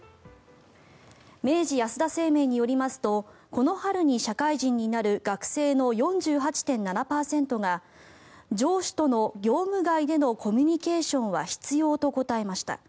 明治安田生命によりますとこの春に社会人になる学生の４８．７％が上司との業務外でのコミュニケーションは必要と答えました。